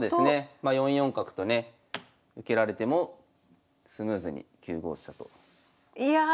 ま４四角とね受けられてもスムーズに９五飛車と。